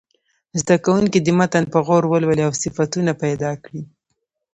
زده کوونکي دې متن په غور ولولي او صفتونه پیدا کړي.